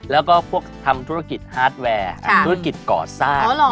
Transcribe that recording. แล้วก็พวกทำธุรกิจฮาร์ดแวร์ธุรกิจก่อสร้าง